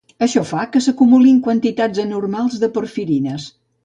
Això fa que s'acumulin quantitats anormals de porfirines